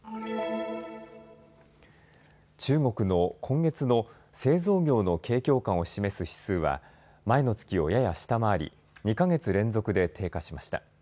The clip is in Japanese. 中国の今月の製造業の景況感を示す指数は前の月をやや下回り２か月連続で低下しました。